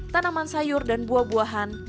tanaman sayur dan buah buahan